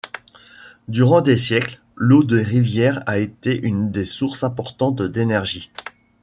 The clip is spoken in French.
Durant des siècles, l’eau des rivières a été une des sources importantes d’énergie.